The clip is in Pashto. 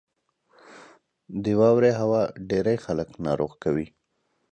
• د واورې هوا ډېری خلک ناروغ کوي.